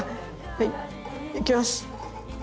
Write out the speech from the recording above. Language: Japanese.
はいいきます。